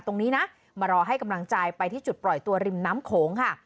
ตรงนี้นะมารอให้กำลังใจไปที่จุดปล่อยตัวริมน้ำโขงค่ะ